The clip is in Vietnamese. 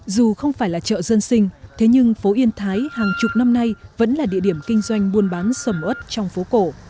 dù không phải là chợ dân sinh thế nhưng phố yên thái hàng chục năm nay vẫn là địa điểm kinh doanh buôn bán sầm ớt trong phố cổ